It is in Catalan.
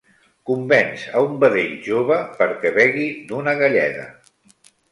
Convenç a un vedell jove perquè begui d'una galleda.